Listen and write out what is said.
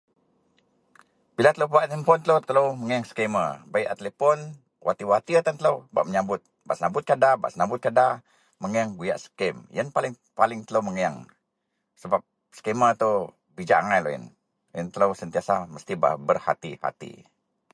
Bila telo pebak handphone telo menyieng scamer bei telepon di watir tan telo bak menyambut bak senambutkah bak senambutkah da menyieng buyak scam yian paling telo menyieng sebab scamer ito bijak angai yianlah telo mesti berhay hati.